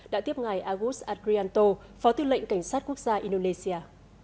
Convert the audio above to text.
đã tiếp ngài agus agrianto phó tư lệnh cảnh sát quốc gia indonesia